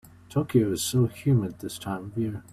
Tokyo is so humid this time of year.